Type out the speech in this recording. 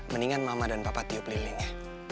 mendingan mama dan papa tiup lilinnya